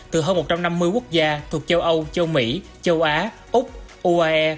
từ hơn một trăm năm mươi quốc gia thuộc châu âu châu mỹ châu á úc uae